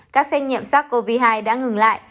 các xét nghiệm sars cov hai đã ngừng lại